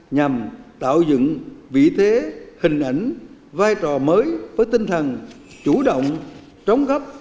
nhằm tạo dựng vị thế hình ảnh vai trò mới với tinh thần chủ động trống gấp